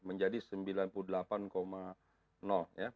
menjadi sembilan puluh delapan ya